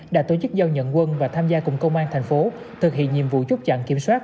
đã tổ chức giao nhận quân và tham gia cùng công an thành phố thực hiện nhiệm vụ chốt chặn kiểm soát